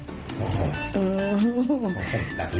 คืออะไร